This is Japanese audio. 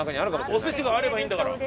お寿司があればいいんだから。